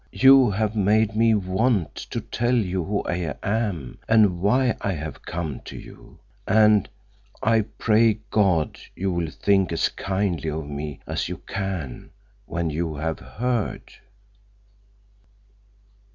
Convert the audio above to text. You have made me want to tell you who I am, and why I have come to you, and I pray God you will think as kindly of me as you can when you have heard."